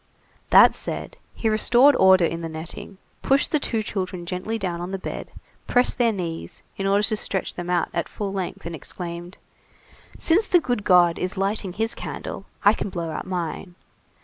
That said, he restored order in the netting, pushed the two children gently down on the bed, pressed their knees, in order to stretch them out at full length, and exclaimed:— "Since the good God is lighting his candle, I can blow out mine.